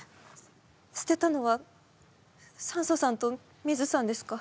捨てたのはサンソさんとミズさんですか？